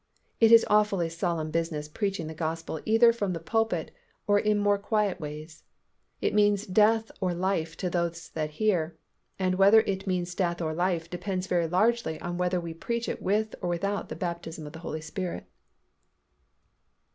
It is awfully solemn business preaching the Gospel either from the pulpit or in more quiet ways. It means death or life to those that hear, and whether it means death or life depends very largely on whether we preach it with or without the baptism with the Holy Spirit.